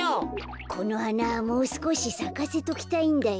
このはなもうすこしさかせときたいんだよ。